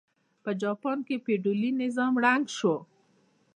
په جاپان کې فیوډالي نظام ړنګ شو.